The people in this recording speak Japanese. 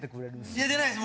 いやじゃないです。